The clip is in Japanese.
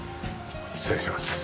失礼します。